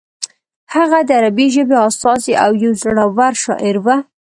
هغه د عربي ژبې استازی او یو زوړور شاعر و.